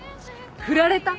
ふられた？